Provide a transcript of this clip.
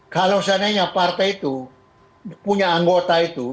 kalau seandainya partai itu punya anggota itu